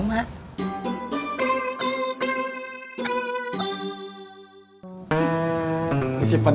mak ngerti sekarang